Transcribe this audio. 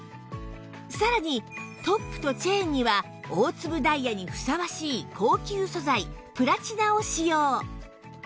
さらにトップとチェーンには大粒ダイヤにふさわしい高級素材プラチナを使用